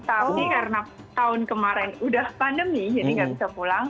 tapi karena tahun kemarin udah pandemi jadi nggak bisa pulang